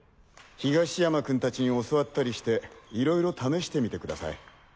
東山君達に教わったりしていろいろ試してみてください。